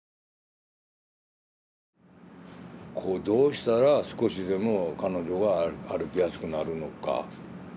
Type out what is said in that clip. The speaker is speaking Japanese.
どうしたら少しでも彼女が歩きやすくなるのか。